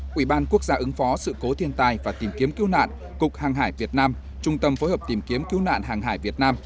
quỹ ban quốc gia ứng phó sự cố thiên tai và tìm kiếm cứu nạn cục hàng hải việt nam trung tâm phối hợp tìm kiếm cứu nạn hàng hải việt nam